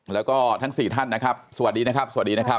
แล้วก็ทั้งสี่ท่านนะครับสวัสดีนะครับสวัสดีนะครับ